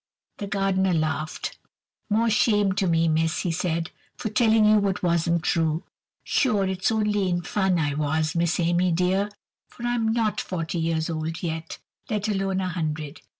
The gardener laughed. "More shame to me, miss," he said, "for telling you what wasn't true. Sure it's only in fun I was, Miss Amy, dear, for I'm not forty years old yet, let alone a hundred.